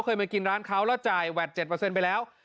เคยมากินร้านเขาแล้วจ่ายแวด๗ไปแล้ว